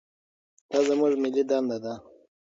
دا زموږ ملي دنده ده.